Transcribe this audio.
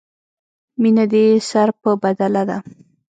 مینه دې سر په بدله ده.